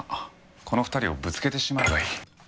この２人をぶつけてしまえばいい。